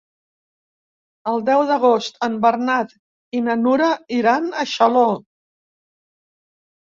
El deu d'agost en Bernat i na Nura iran a Xaló.